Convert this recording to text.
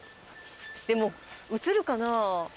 でも写るかな？